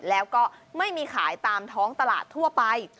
แล้วก็ไม่มีขายตามท้องตลาดทั่วไป